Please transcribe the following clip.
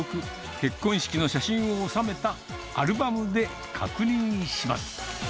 結婚式の写真を収めたアルバムで確認します。